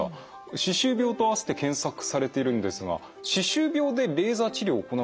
歯周病と併せて検索されてるんですが歯周病でレーザー治療を行うことはあるんでしょうか？